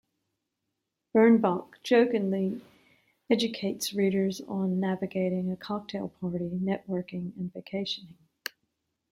Birnbach jokingly educates readers on navigating a cocktail party, networking, and vacationing.